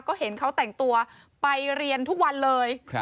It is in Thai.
ก็เห็นเขาแต่งตัวไปเรียนทุกวันเลย